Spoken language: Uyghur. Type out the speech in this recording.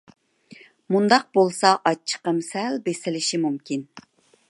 مۇنداق بولسا ئاچچىقىم سەل بېسىلىشى مۇمكىن.